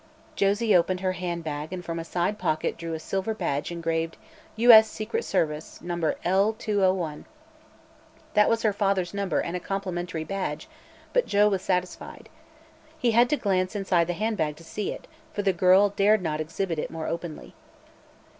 Josie opened her hand bag and from a side pocket drew a silver badge engraved "U. S. Secret Service. No. L2O1." That was her father's number and a complimentary badge, but Joe was satisfied. He had to glance inside the handbag to see it, for the girl dared not exhibit it more openly.